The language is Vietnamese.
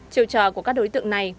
chiều trò của các đối tượng này